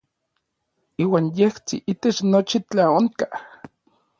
Iuan yejtsin itech nochi tlaonkaj.